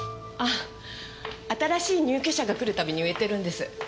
あ新しい入居者が来るたびに植えてるんです。